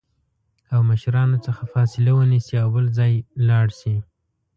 او مشرانو څخه فاصله ونیسي او بل ځای لاړ شي